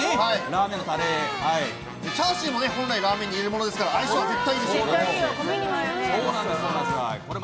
チャーシューも本来ラーメンに入れるものですから相性は絶対いいです。